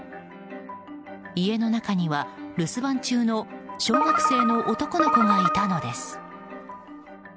家の中には留守番中の小学生の男の子がいたのです。